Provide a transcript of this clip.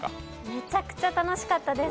めちゃくちゃ楽しかったです。